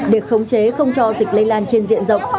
để khống chế không cho dịch lây lan trên diện rộng